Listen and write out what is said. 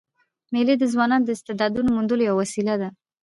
مېلې د ځوانانو د استعداد موندلو یوه وسیله ده.